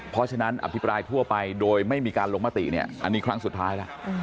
เพราะฉะนั้นอภิปรายทั่วไปโดยไม่มีการลงมติเนี่ยอันนี้ครั้งสุดท้ายแล้ว